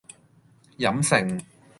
飲勝